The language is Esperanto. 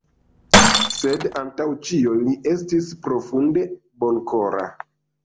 Sed antaŭ ĉio li estis profunde bonkora.